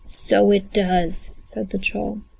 "So it does," said the troll.